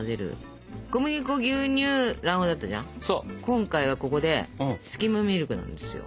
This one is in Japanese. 今回はここでスキムミルクなんですよ。